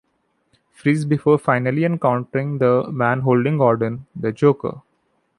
Freeze before finally encountering the man holding Gordon, the Joker.